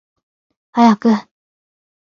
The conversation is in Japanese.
早く